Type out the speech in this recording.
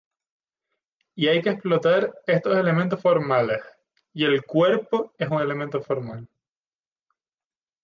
Y hay que explotar esos elementos formales, y el cuerpo es un elemento formal.